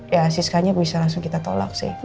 ya siskanya bisa langsung kita tolak sih